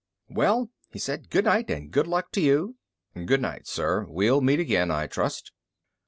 "Well," he said, "goodnight, and good luck to you." "Goodnight, sir. We'll meet again, I trust."